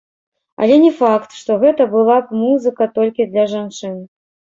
Але не факт, што гэта была б музыка толькі для жанчын.